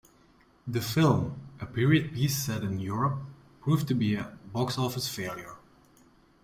The film-a period piece set in Europe-proved to be a box office failure.